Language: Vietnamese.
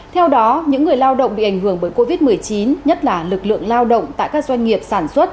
theo đó những người lao động bị ảnh hưởng bởi covid một mươi chín nhất là lực lượng lao động tại các doanh nghiệp sản xuất